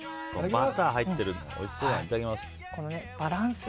バター入っているのおいしそう。